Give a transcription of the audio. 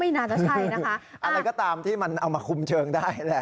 น่าจะใช่นะคะอะไรก็ตามที่มันเอามาคุมเชิงได้แหละ